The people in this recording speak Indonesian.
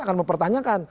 tidak akan mempertanyakan